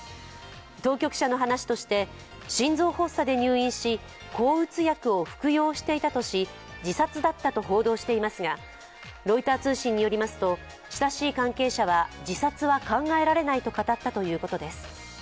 当局者の話として、心臓発作で入院し、抗うつ薬を服用していたとし、自殺だったと報道していますがロイター通信によりますと親しい関係者は自殺は考えられないと語ったということです。